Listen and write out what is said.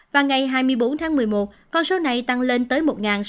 và ngày hai mươi bốn tháng một mươi một con số này tăng lên tới